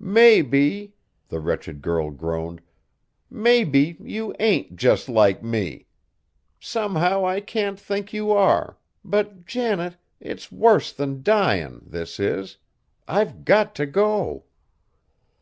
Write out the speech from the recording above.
"Maybe" the wretched girl groaned "maybe you ain't just like me. Somehow I can't think you are; but, Janet, it's worse than dyin', this is. I've got t' go!"